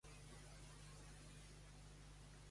Pel que sembla, Knight i Maclen Music van arribar a un acord.